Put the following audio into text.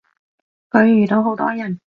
佢遇到好多人